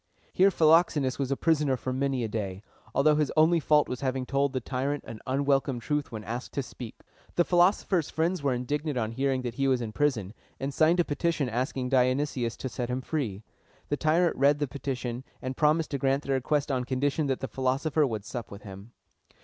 Here Philoxenus was a prisoner for many a day, although his only fault was having told the tyrant an unwelcome truth when asked to speak. The philosopher's friends were indignant on hearing that he was in prison, and signed a petition asking Dionysius to set him free. The tyrant read the petition, and promised to grant their request on condition that the philosopher would sup with him.